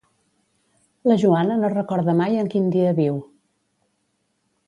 La Joana no recorda mai en quin dia viu.